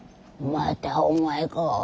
またお前か。